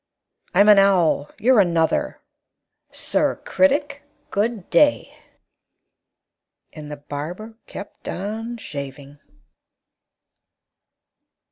I'm an owl; you're another. Sir Critic, good day!" And the barber kept on shaving.